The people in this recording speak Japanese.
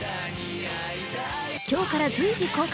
今日から随時公開。